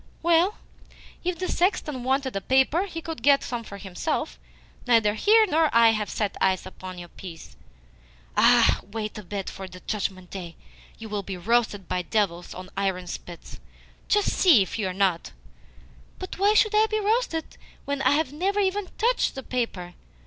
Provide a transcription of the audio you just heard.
"Well, if the sexton wanted paper he could get some for himself. Neither he nor I have set eyes upon your piece." "Ah! Wait a bit, for on the Judgment Day you will be roasted by devils on iron spits. Just see if you are not!" "But why should I be roasted when I have never even TOUCHED the paper?